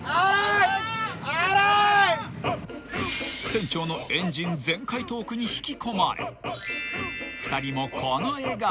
［船長のエンジン全開トークに引き込まれ２人もこの笑顔］